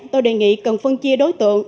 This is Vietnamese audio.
tôi đề nghị cần phân chia đối tượng